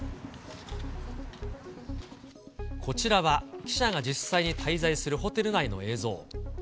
こちらは記者が実際に滞在するホテル内の映像。